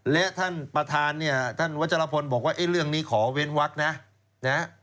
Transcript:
และท่านประธานเนี่ยท่านวัชรพลบอกว่าเรื่องนี้ขอเว้นวักนะนะ